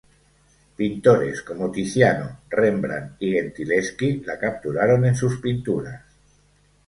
Pintores como Tiziano, Rembrandt y Gentileschi la capturaron en sus pinturas.